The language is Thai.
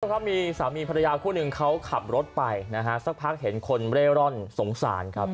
ครับมีสามีภรรยาคู่หนึ่งเขาขับรถไปนะฮะสักพักเห็นคนเร่ร่อนสงสารครับ